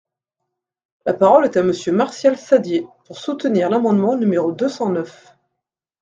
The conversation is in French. La parole est à Monsieur Martial Saddier, pour soutenir l’amendement numéro deux cent neuf.